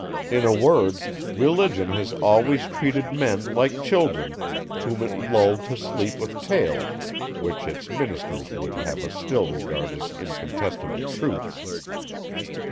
In a word, Religion has always treated men, like children, whom it lulled to sleep with tales, which its ministers would have us still regard as incontestable truths.